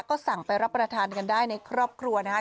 ก็สั่งไปรับประทานกันได้ในครอบครัวนะคะ